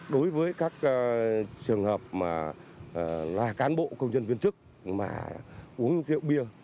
đối với các trường hợp là cán bộ công nhân viên chức mà uống rượu bia